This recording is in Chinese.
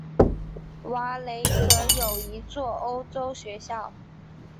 瓦雷泽有一座欧洲学校。